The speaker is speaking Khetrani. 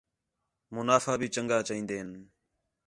منافع بھی چَنڳا چائین٘دے ہِن